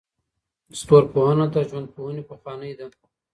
ستورپوهنه تر ژوندپوهنې پخوانۍ ده.